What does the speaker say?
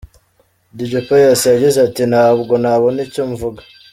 Dj Pius yagize ati: “Ntabwo nabona icyo mvuga.